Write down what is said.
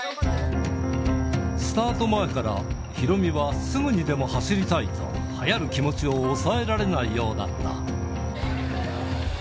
スタート前からヒロミはすぐにでも走りたいと、はやる気持ちを抑えられないようだった。